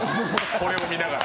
これを見ながら。